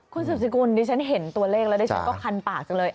คุณสืบสกุลดิฉันเห็นตัวเลขแล้วดิฉันก็คันปากจังเลย